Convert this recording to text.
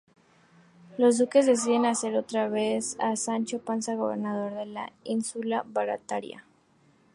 Los duques deciden hacer otra vez a Sancho Panza gobernador de la Ínsula Barataria.